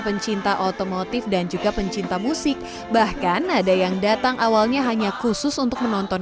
pencinta otomotif dan juga pencinta musik bahkan ada yang datang awalnya hanya khusus untuk menonton